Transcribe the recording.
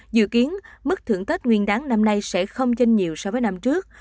dự kiến mức thưởng tết nguyên đáng năm nay sẽ không danh nhiều so với năm trước